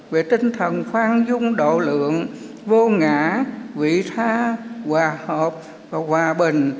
về tinh thần khoan dung độ lượng vô ngã vị xa hòa hợp và hòa bình